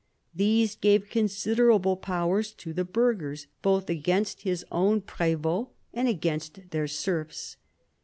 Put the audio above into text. These gave considerable powers to the burghers both against his own prev6t and against their serfs.